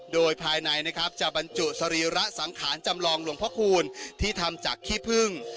โดยภายในนะครับจะบรรจุสรีระสังขารจำลองหลวงพระคูณที่ทำจากขี้พึ่ง